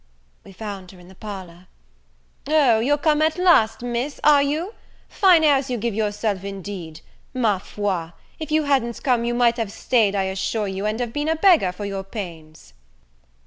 We found her in the parlour, "O you're come at last, Miss, are you? fine airs you give yourself, indeed! ma foi, if you hadn't come, you might have staid, I assure you, and have been a beggar, for your pains."